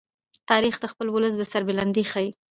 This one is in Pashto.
تاریخ د خپل ولس د سربلندۍ ښيي.